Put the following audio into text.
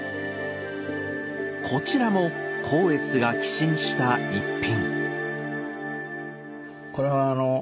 こちらも光悦が寄進した逸品。